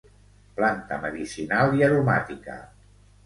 Planta medicinal i aromàtica.